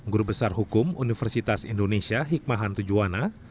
guru besar hukum universitas indonesia hikmahan tujuana